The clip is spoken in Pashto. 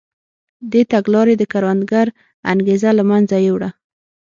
دې تګلارې د کروندګر انګېزه له منځه یووړه.